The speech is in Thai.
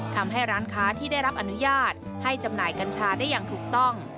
ทำให้ร้านค้าที่ได้รับอนุญาตให้จำหน่ายกัญชาได้อย่างถูกต้อง